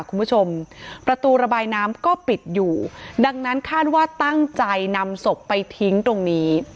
คุณผู้ชมประตูระบายน้ำก็ปิดอยู่ดังนั้นคาดว่าตั้งใจนำศพไปทิ้งตรงนี้